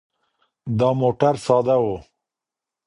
دا موټر ساده و.